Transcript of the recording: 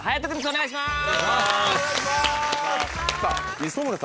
お願いします。